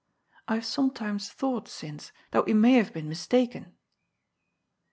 ^^ I have sometimes thought since, that we may have been mistaken."